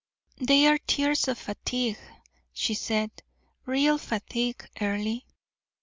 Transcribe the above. "They are tears of fatigue," she said "real fatigue, Earle."